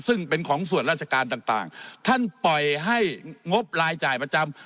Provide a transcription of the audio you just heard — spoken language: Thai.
ซึ่งเป็นของส่วนราชการต่างท่านปล่อยให้งบรายจ่ายประจำ